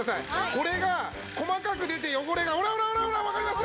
これが細かく出て汚れがほらほらほらわかります？